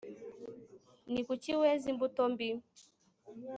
ni kuki weze imbuto mbi